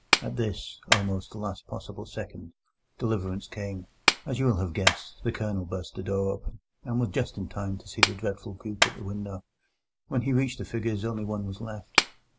At this, almost the last possible second, deliverance came, as you will have guessed: the Colonel burst the door open, and was just in time to see the dreadful group at the window. When he reached the figures only one was left.